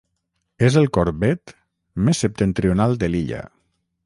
És el Corbett més septentrional de l'illa.